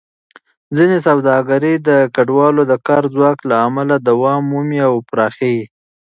ځینې سوداګرۍ د کډوالو د کار ځواک له امله دوام مومي او پراخېږي.